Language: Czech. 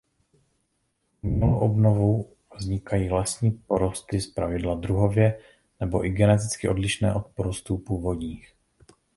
Umělou obnovou vznikají lesní porosty zpravidla druhově nebo i geneticky odlišné od porostů původních.